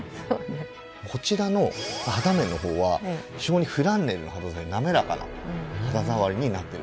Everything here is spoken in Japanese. こちらの肌面の方は非常にフランネルの肌触りなめらかな肌触りになっているんですね。